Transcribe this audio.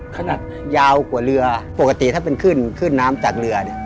ขนาดยาวกว่าเรือปกติถ้าเป็นขึ้นขึ้นน้ำจากเรือเนี่ย